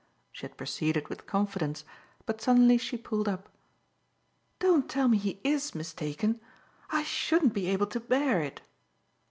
She had proceeded with confidence, but suddenly she pulled up. "Don't tell me he IS mistaken I shouldn't be able to bear it."